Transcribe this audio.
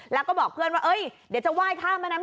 แล้วก็บอกเพื่อนว่าเฮ้ยเดี๋ยวจะว่ายข้ามดรมณ